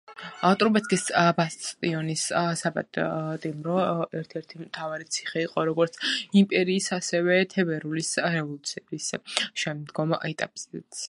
ტრუბეცკის ბასტიონის საპატიმრო ერთ-ერთი მთავარი ციხე იყო როგორც იმპერიის, ასევე თებერვლის რევოლუციის შემდგომ ეტაპზეც.